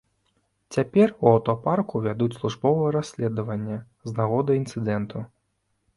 Цяпер у аўтапарку вядуць службовае расследаванне з нагоды інцыдэнту.